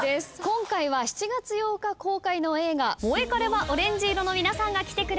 今回は７月８日公開の映画『モエカレはオレンジ色』の皆さんが来てくれました。